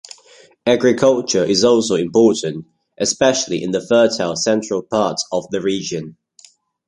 Agriculture is also important, especially in the fertile central parts of the region.